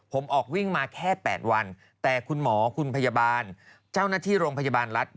ผมออกวิ่งมาแค่๘วันแต่คุณหมอคุณพยาบาลเจ้าหน้าที่โรงพยาบาลรัฐ